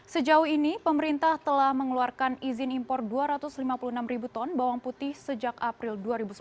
sejauh ini pemerintah telah mengeluarkan izin impor dua ratus lima puluh enam ribu ton bawang putih sejak april dua ribu sembilan belas